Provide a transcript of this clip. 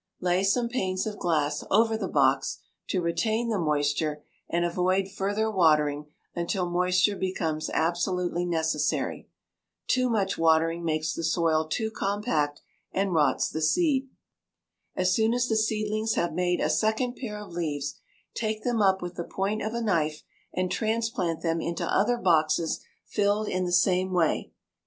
Lay some panes of glass over the box to retain the moisture, and avoid further watering until moisture becomes absolutely necessary. Too much watering makes the soil too compact and rots the seed. As soon as the seedlings have made a second pair of leaves, take them up with the point of a knife and transplant them into other boxes filled in the same way.